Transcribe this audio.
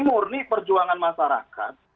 murni perjuangan masyarakat